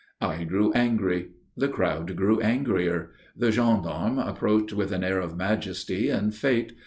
I grew angry. The crowd grew angrier. The gendarmes approached with an air of majesty and fate.